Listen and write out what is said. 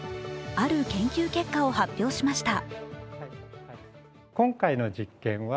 ある研究結果を発表しました。